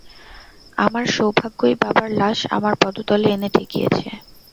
আমার সৌভাগ্য-ই বাবার লাশ আমার পদতলে এনে ঠেকিয়েছে।